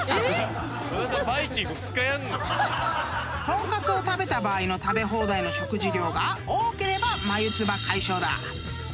［豚カツを食べた場合の食べ放題の食事量が多ければ］